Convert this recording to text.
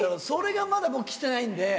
それがまだ僕来てないんで。